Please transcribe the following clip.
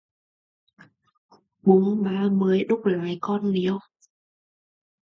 Bung ba mươi đúc lại còn niêu